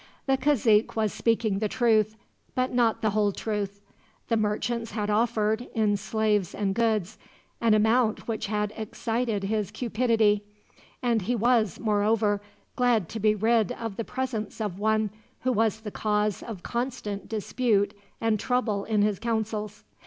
The cazique was speaking the truth, but not the whole truth. The merchants had offered, in slaves and goods, an amount which had excited his cupidity; and he was, moreover, glad to be rid of the presence of one who was the cause of constant dispute and trouble in his councils.